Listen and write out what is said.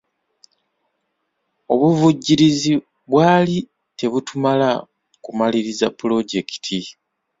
Obuvujjirizi bwali tebutumala kumaliriza pulojekiti.